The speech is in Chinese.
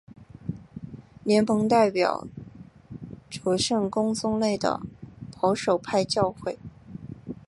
联盟代表着圣公宗内的保守派教会。